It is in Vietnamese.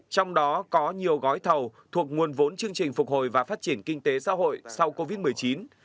trong đó có nhiều gói thầu thuộc nguồn vốn chương trình phục hồi và phát triển kinh tế xã hội sau covid một mươi chín